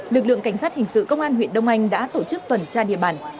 lực lượng cảnh sát hình sự công an huyện đông anh đã tổ chức tuần tra địa bàn